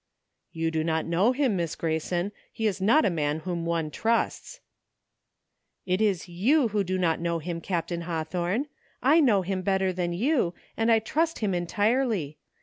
" You do not know him. Miss Grayson. He is not a man whom anyone trusts." " It is you who do not know him. Captain Haw thorne. I know him better than you, and I trust him entirely.